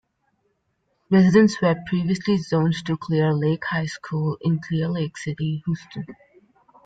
Residents were previously zoned to Clear Lake High School in Clear Lake City, Houston.